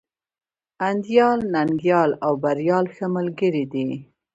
انديال، ننگيال او بريال ښه ملگري دي.